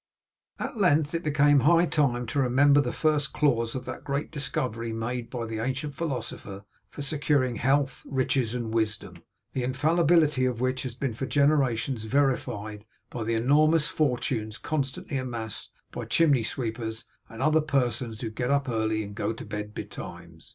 At length it became high time to remember the first clause of that great discovery made by the ancient philosopher, for securing health, riches, and wisdom; the infallibility of which has been for generations verified by the enormous fortunes constantly amassed by chimney sweepers and other persons who get up early and go to bed betimes.